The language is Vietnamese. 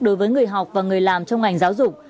đối với người học và người làm trong ngành giáo dục